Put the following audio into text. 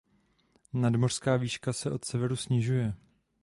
Nadmořská výška se od severu snižuje.